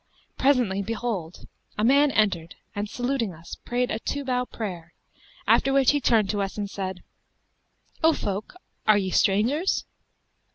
Presently behold, a man entered and saluting us prayed a two bow prayer, after which he turned to us and said, 'O folk, are ye strangers?'